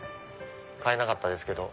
買えなかったですけど。